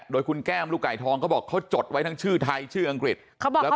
โดยคุณแก้มลูกไก่ทองเขาบอกเขาจดไว้ทั้งชื่อไทยชื่ออังกฤษ